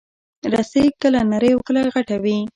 رسۍ کله نرۍ او کله غټه وي.